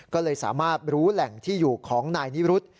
ก็เลยสามารถรู้แหล่งที่อยู่ของนายนิรุธ